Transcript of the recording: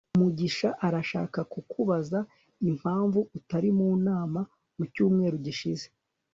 mugisha arashaka kukubaza impamvu utari mu nama mu cyumweru gishize